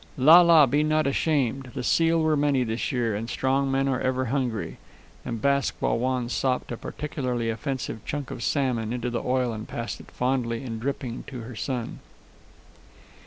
"La la, be not ashamed. The seal were many this year, and strong men are ever hungry." And Bask Wah Wan sopped a particularly offensive chunk of salmon into the oil and passed it fondly and dripping to her son.